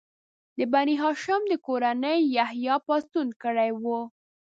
د بني هاشم د کورنۍ یحیی پاڅون کړی و.